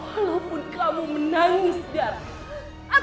walaupun kamu menangis darah